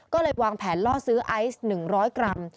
ก็เลยวางแผนล่อซื้อไอซ์๑๐๐กรัม